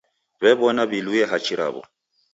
W'ew'ona w'iluye hachi raw'o.